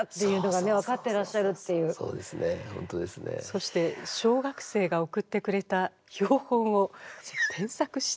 そして小学生が送ってくれた標本を添削して。